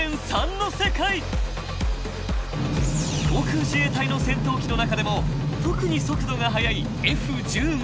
［航空自衛隊の戦闘機の中でも特に速度が速いＦ−１５］